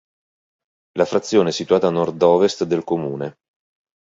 La frazione è situata a nord-ovest del comune.